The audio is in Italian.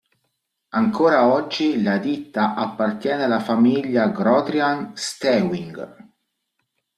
Ancora oggi la ditta appartiene alla famiglia Grotrian-Steinweg.